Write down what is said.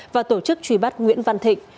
và tổ chức trùy bắt nguyễn văn thịnh